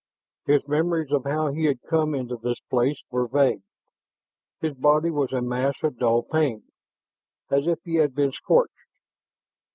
His memories of how he had come into this place were vague; his body was a mass of dull pain, as if he had been scorched.